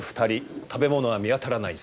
食べ物は見当たらない。